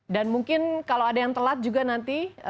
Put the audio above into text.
dan mungkin kalau ada yang telat juga nanti